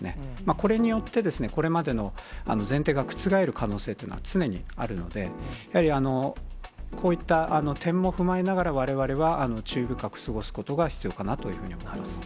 これによって、これまでの前提が覆る可能性というのは常にあるので、やはりこういった点も踏まえながら、われわれは注意深く過ごすことが必要かなというふうに思います。